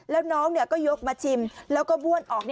แล้วน้องก็ยกมาชิมแล้วก็บ้วนออก